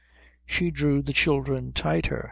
She drew the children tighter.